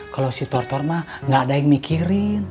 kalo si tortorma gak ada yang mikirin